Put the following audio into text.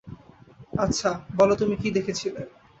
আচ্ছা, বলো তুমি কী দেখেছিলে।